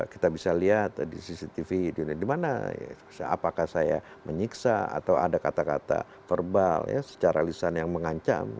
kita bisa lihat di cctv di mana apakah saya menyiksa atau ada kata kata verbal secara lisan yang mengancam